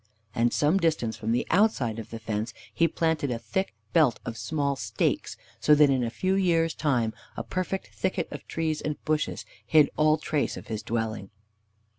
And some distance from the outside of the fence he planted a thick belt of small stakes, so that in a few years' time a perfect thicket of trees and bushes hid all trace of his dwelling.